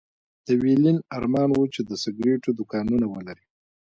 د ويلين ارمان و چې د سګرېټو دوکانونه ولري.